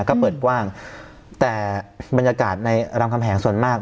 ก็เปิดกว้างแต่บรรยากาศในรามคำแหงส่วนมาก